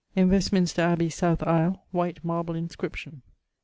In Westminster Abby south aisle, white marble inscription.